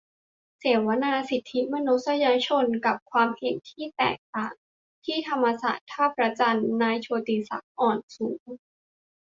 เสวนา "สิทธิมนุษยชนกับความเห็นที่แตกต่าง" ที่ธรรมศาสตร์ ท่าพระจันทร์ - นายโชติศักดิ์ อ่อนสูง